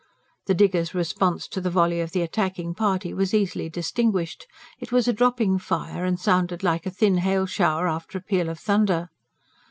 The diggers' response to the volley of the attacking party was easily distinguished: it was a dropping fire, and sounded like a thin hail shower after a peal of thunder.